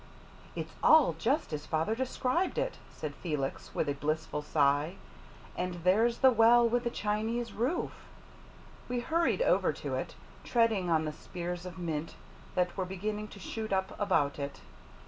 "It's all just as father described it," said Felix with a blissful sigh, "and there's the well with the Chinese roof." We hurried over to it, treading on the spears of mint that were beginning to shoot up about it.